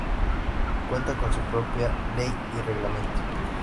Cuenta con su propia ley y reglamento.